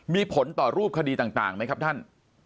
มีผลต่อรูปคดีต่างไหมครับท่าน